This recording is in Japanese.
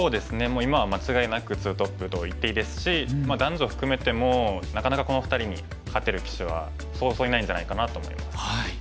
もう今は間違いなくツートップと言っていいですし男女含めてもなかなかこの２人に勝てる棋士はそうそういないんじゃないかなと思います。